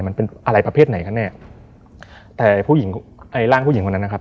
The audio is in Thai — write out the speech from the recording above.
มันเป็นอะไรประเภทไหนกันแน่แต่ผู้หญิงไอ้ร่างผู้หญิงคนนั้นนะครับ